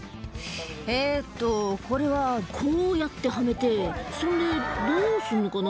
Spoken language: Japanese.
えっと、これはこうやってはめて、そんで、どうすんのかな。